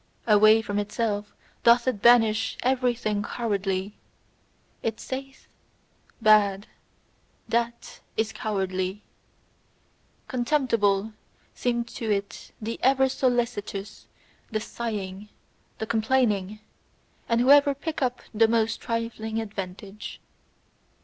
Away from itself doth it banish everything cowardly; it saith: "Bad THAT IS cowardly!" Contemptible seem to it the ever solicitous, the sighing, the complaining, and whoever pick up the most trifling advantage.